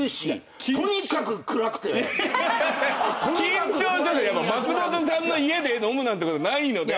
緊張松本さんの家で飲むなんてことないので。